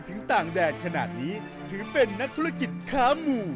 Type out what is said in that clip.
ต่างแดดขนาดนี้ถือเป็นนักธุรกิจค้าหมู่